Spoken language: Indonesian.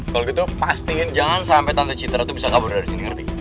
kalau gitu pastiin jangan sampai tante citra itu bisa kabur dari sini ngerti